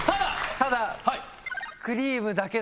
ただ！